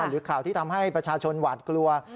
หรือข่าวที่ทำให้ประชาชนหวาดกลัว